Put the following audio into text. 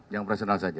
yang personal saja